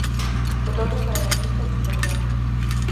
Fotógrafa e artista australiana.